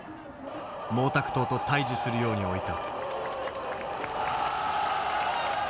毛沢東と対峙するように置いた。